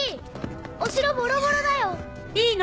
お城ボロボロだよ。いいの！